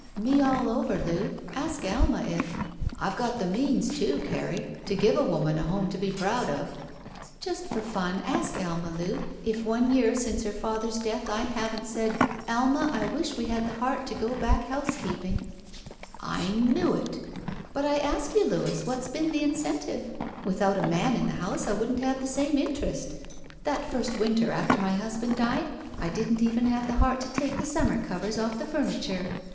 Me all over, Loo. Ask Alma if —'* I've got the means, too, Carrie, to give a woman a home to be proud of." "Just for fun, ask Alma, Loo, if one year since her father's death I haven't said, *Alma, I wish I had the heart to go back housekeeping.' " "Iknewitl" "But I ask you, Louis, what's been the incentive? Without a man in the house I wouldn't have the same interest. That first winter after my husband died I didn't even have the heart to take the siunmer i6 SHE WALKS IN BEAUTY covers oflF the furniture.